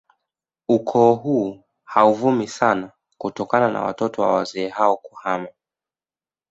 Ukoo huu hauvumi sana kutokana na watoto wa wazee hao kuhama